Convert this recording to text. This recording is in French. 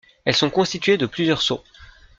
Elles sont constituées de plusieurs sauts.